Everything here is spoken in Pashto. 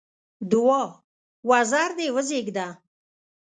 دوعا: وزر دې وزېږده!